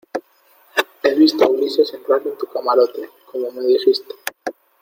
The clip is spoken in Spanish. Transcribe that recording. he visto a Ulises entrar en tu camarote, como me dijiste.